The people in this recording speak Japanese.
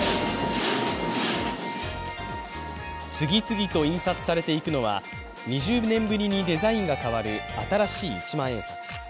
次々と印刷されていくのは、２０年ぶりにデザインが変わる新しい一万円札。